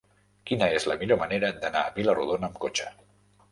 Quina és la millor manera d'anar a Vila-rodona amb cotxe?